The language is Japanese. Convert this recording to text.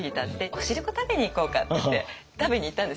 お汁粉食べに行こうかって言って食べに行ったんです。